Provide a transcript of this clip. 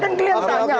aku nggak marah kan